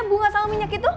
bunga sama minyak itu